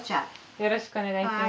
よろしくお願いします。